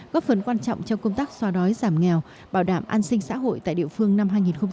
góp phần quan trọng trong công tác xóa đói giảm nghèo bảo đảm an sinh xã hội tại địa phương năm hai nghìn hai mươi